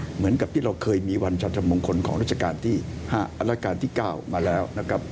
เหมือนกับที่เราเคยมีวันชัตรมงคลของราชการที่๕และราชการที่๙มาแล้ว